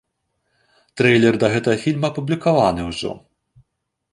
Трэйлер да гэтага фільма апублікаваны ўжо.